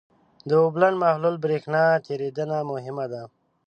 د اوبلن محلول برېښنا تیریدنه مهمه ده.